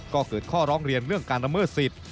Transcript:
ก็เกิดข้อร้องเรียนเรื่องการละเมิดสิทธิ